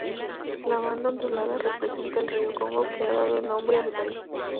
La banda ondulada representa el río Congo, que ha dado nombre al país.